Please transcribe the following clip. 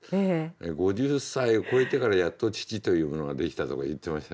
５０歳をこえてからやっと父というものができた」とか言ってました。